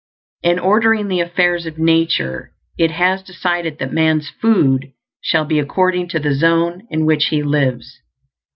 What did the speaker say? In ordering the affairs of nature, It has decided that man's food shall be according to the zone in which he lives.